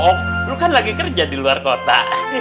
lo kan lagi kerja di luar kota